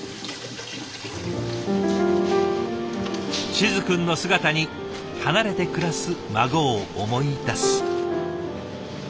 静くんの姿に離れて暮らす孫を思い出す。